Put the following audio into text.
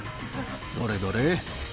どれどれ？